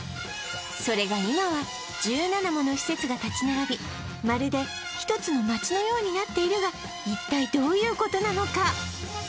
それが今は１７もの施設が立ち並びまるでひとつの街のようになっているが一体どういうことなのか？